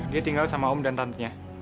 dia tinggal sama om dan tantenya